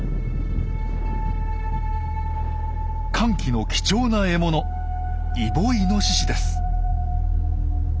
乾季の貴重な獲物イボイノシシです。